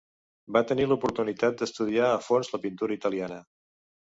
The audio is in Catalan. Va tenir l'oportunitat d'estudiar a fons la pintura italiana.